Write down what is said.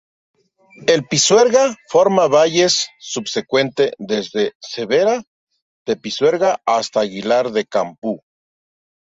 El Pisuerga forma valle subsecuente desde Cervera de Pisuerga hasta Aguilar de Campoo.